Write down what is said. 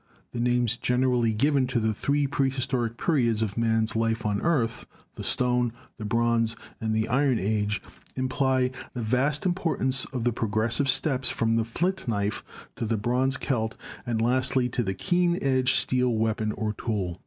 The names generally given to the three prehistoric periods of man's life on earth — the Stone, the Bronze and the Iron Age — imply the vast importance of the progress ive steps from the flint knife to the bronze celt and, lastly, to the keen edged steel weapon or tool.